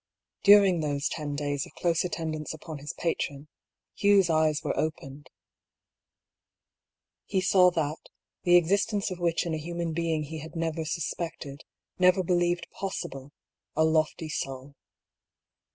During those ten days of close attendance upon his patron, Hugh's eyes were opened. He saw that, the ex istence of which in a human being he had never sus pected, never believed possible, a lofty soul.